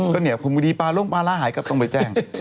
ก็เนี่ยบางทีปลาร่วงปลาร้าหายก็ต้องไปแจ้ง